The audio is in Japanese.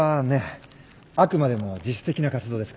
あくまでも自主的な活動ですから。